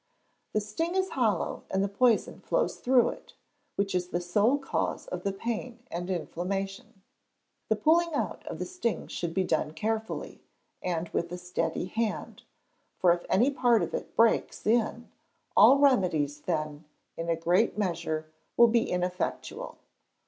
The sting is hollow, and the poison flows through it, which is the sole cause of the pain and inflammation. The pulling out of the sting should he done carefully, and with a steady hand; for if any part of it breaks in, all remedies then, in a great, measure, will be ineffectual.